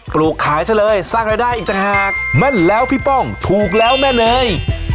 ลูกขายซะเลยสร้างรายได้อีกต่างหากแม่นแล้วพี่ป้องถูกแล้วแม่เนย